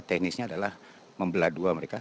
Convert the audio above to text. teknisnya adalah membelah dua mereka